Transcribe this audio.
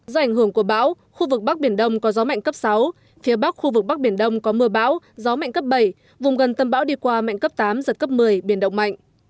do ảnh hưởng của bão khu vực bắc biển đông có gió mạnh cấp sáu phía bắc khu vực bắc biển đông có mưa bão gió mạnh cấp bảy vùng gần tâm bão đi qua mạnh cấp tám giật cấp một mươi biển động mạnh